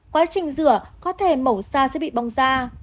quá trình rửa có thể mổ da sẽ bị bỏng da